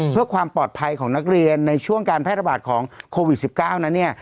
เพื่อความปลอดภัยของนักเรียนในช่วงการแพร่ระบาดของโควิด๑๙นั้นเนี่ย